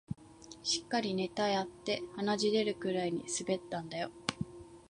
しっかりネタやって鼻血出るくらい滑ったんだよ